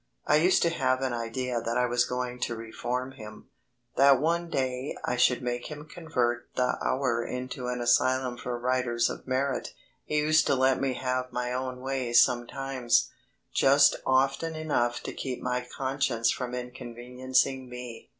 I used to have an idea that I was going to reform him; that one day I should make him convert the Hour into an asylum for writers of merit. He used to let me have my own way sometimes just often enough to keep my conscience from inconveniencing me.